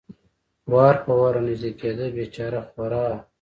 وار په وار را نږدې کېده، بېچاره خورا.